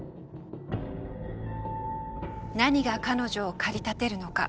何が彼女を駆り立てるのか？